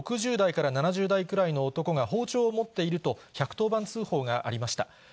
６０代から７０代くらいの男が包丁を持っていると、１１０番通報がありました。